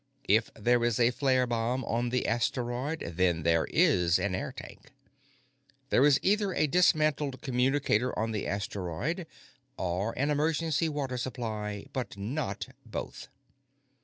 If there is a flare bomb on the asteroid, then there is an air tank. There is either a dismantled communicator on the asteroid or an emergency water supply, but not both.